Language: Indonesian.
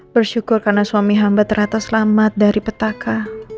bersyukur karena suami hamba ternyata selamat dari petaka